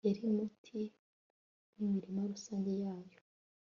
yarimuti n'imirima rusange yayo